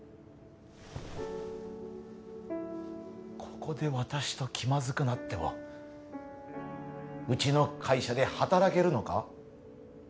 ここで私と気まずくなってもうちの会社で働けるのか？